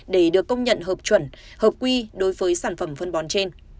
để được công nhận hợp chuẩn hợp quy đối với sản phẩm phân bón trên